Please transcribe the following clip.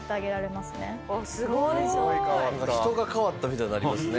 人が変わったみたいになりますね。